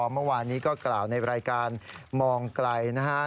เมื่อวานนี้ก็กล่าวในรายการมองไกลนะฮะ